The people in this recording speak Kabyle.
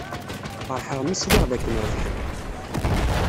Feṛḥeɣ mi sliɣ dakken rebḥent.